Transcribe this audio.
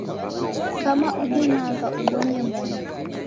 Kama udimagha, ubonye moni